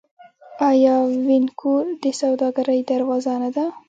آیا وینکوور د سوداګرۍ دروازه نه ده؟